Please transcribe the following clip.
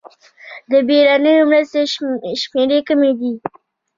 د بېړنیو مرستو شمېرې کومې دي؟